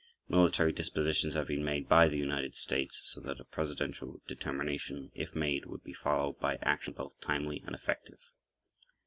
Military dispositions have been made [pg 4]by the United States so that a Presidential determination, if made, would be followed by action both timely and effective.